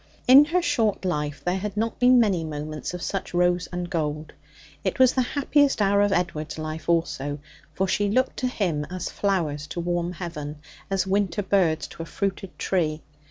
In her short life there had not been many moments of such rose and gold. It was the happiest hour of Edward's life also; for she looked to him as flowers to warm heaven, as winter birds to a fruited tree.